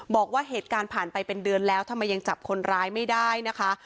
บอกว่าเหตุการณ์ผ่านไปเป็นเดือนแล้วทำไมยังจับคนร้ายไม่ได้นะคะ